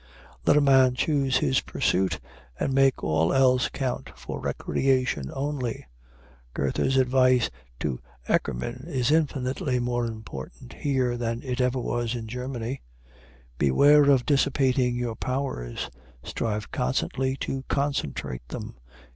Let a man choose his pursuit, and make all else count for recreation only. Goethe's advice to Eckermann is infinitely more important here than it ever was in Germany: "Beware of dissipating your powers; strive constantly to concentrate them.